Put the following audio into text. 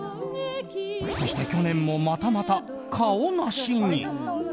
そして去年もまたまたカオナシに。